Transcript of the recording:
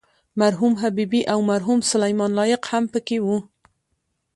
مرحوم حبیبي او مرحوم سلیمان لایق هم په کې وو.